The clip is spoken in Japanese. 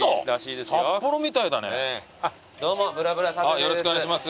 よろしくお願いします。